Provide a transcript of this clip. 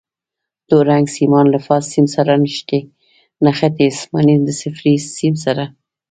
تور رنګ سیمان له فاز سیم سره نښتي، اسماني د صفري سیم سره.